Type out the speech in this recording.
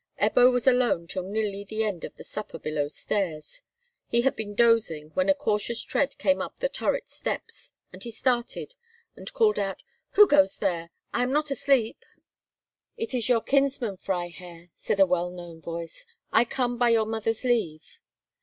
Ebbo was alone till nearly the end of the supper below stairs. He had been dozing, when a cautious tread came up the turret steps, and he started, and called out, "Who goes there? I am not asleep." "It is your kinsman, Freiherr," said a well known voice; "I come by your mother's leave."